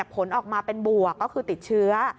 ผลออกมาเป็นบวกก็คือติดเชื้อ